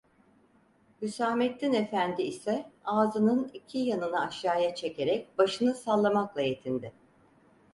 Hüsamettin efendi ise ağzının iki yanını aşağı çekerek başını sallamakla yetindi.